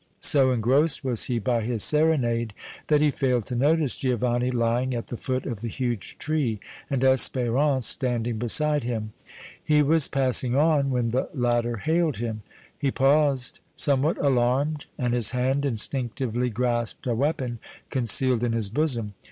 So engrossed was he by his serenade that he failed to notice Giovanni lying at the foot of the huge tree and Espérance standing beside him. He was passing on when the latter hailed him. He paused, somewhat alarmed, and his hand instinctively grasped a weapon concealed in his bosom.